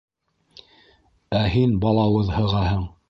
Ә һин балауыҙ һығаһың.